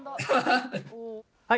はい！